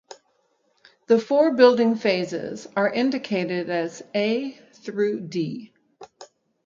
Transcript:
The four building phases are indicated as a–d.